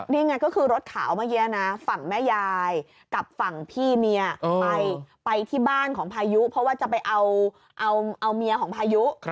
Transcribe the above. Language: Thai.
นี่ไงก็คือรถขาวเมื่อกี้นะฝั่งแม่ยายกับฝั่งพี่เมียไปที่บ้านของพายุเพราะว่าจะไปเอาเมียของพายุ